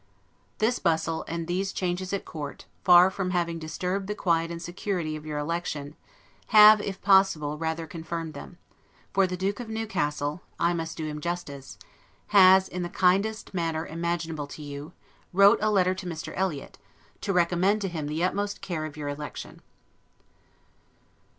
This bustle, and these changes at court, far from having disturbed the quiet and security of your election, have, if possible, rather confirmed them; for the Duke of Newcastle (I must do him justice) has, in, the kindest manner imaginable to you, wrote a letter to Mr. Eliot, to recommend to him the utmost care of your election.